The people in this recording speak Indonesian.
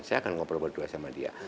saya akan ngobrol berdua sama dia